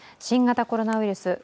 新型コロナウイルス